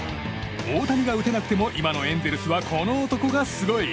大谷が打てなくても今のエンゼルスはこの男がすごい！